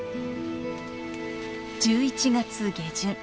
１１月下旬。